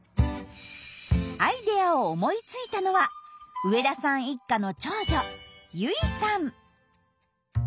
アイデアを思いついたのは植田さん一家の長女結衣さん。